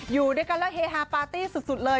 อยู่ด้วยกันแล้วเฮฮาปาร์ตี้สุดเลย